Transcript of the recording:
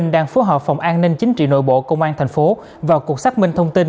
đang phối hợp phòng an ninh chính trị nội bộ công an thành phố vào cuộc xác minh thông tin